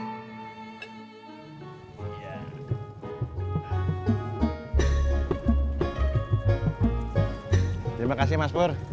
terima kasih mas pur